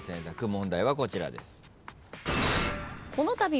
問題はこちらです。